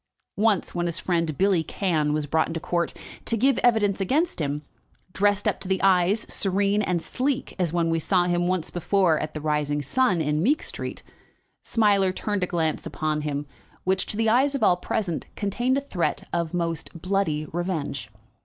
Once, when his friend, Billy Cann, was brought into court to give evidence against him, dressed up to the eyes, serene and sleek as when we saw him once before at the "Rising Sun," in Meek Street, Smiler turned a glance upon him which, to the eyes of all present, contained a threat of most bloody revenge.